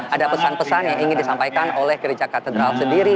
ada pesan pesan yang ingin disampaikan oleh gereja katedral sendiri